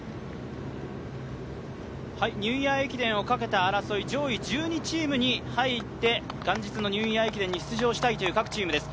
ニューイヤー駅伝出場権争いをしている１２チーム、元日のニューイヤー駅伝に出場したいという各チームです。